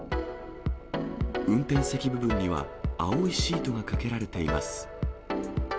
運転席部分には青いシートがかけられています。